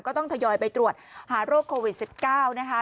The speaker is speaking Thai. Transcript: ก็ต้องทยอยไปตรวจหารโรคโควิด๑๙นะคะ